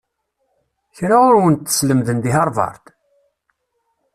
Kra ur wen-t-sslemden deg Havard?